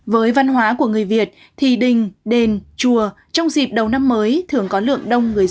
với văn hóa của người việt thì đình đền chùa trong dịp đầu năm mới thường có lượng đông người